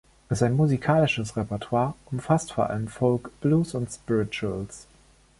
Sein musikalisches Repertoire umfasst vor allem Folk, Blues und Spirituals.